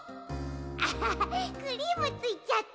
アハハクリームついちゃった。